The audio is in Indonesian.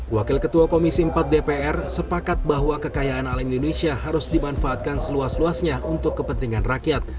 wakil ketua komisi empat dpr sepakat bahwa kekayaan alam indonesia harus dimanfaatkan seluas luasnya untuk kepentingan rakyat